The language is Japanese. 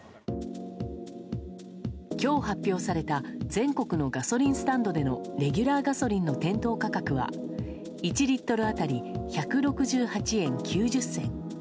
きょう発表された、全国のガソリンスタンドでのレギュラーガソリンの店頭価格は、１リットル当たり１６８円９０銭。